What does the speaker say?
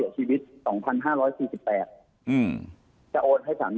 ได้โดยผลแก่เอง